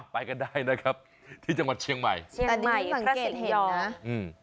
ไปกันได้นะครับที่จังหวัดเชียงใหม่เชียงใหม่พระเกตยองอืม